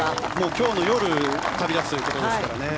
今日の夜旅立つということですから。